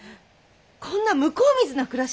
こんな向こう見ずな暮らし